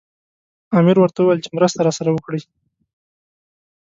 امیر ورته وویل چې مرسته راسره وکړي.